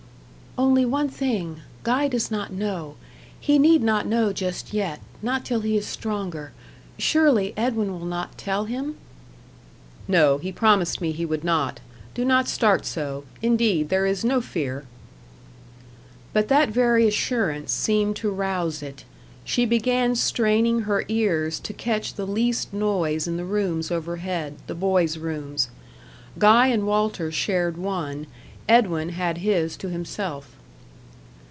"Only one thing Guy does not know. He need not know just yet not till he is stronger. Surely, Edwin will not tell him?" "No; he promised me he would not. Do not start so. Indeed, there is no fear." But that very assurance seemed to rouse it. She began straining her ears to catch the least noise in the rooms overhead the boys' rooms. Guy and Walter shared one; Edwin had his to himself.